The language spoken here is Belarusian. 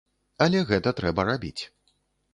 Але гэта трэба рабіць.